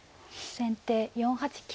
先手４八金。